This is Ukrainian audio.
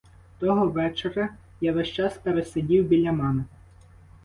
Того вечора я весь час пересидів біля мами.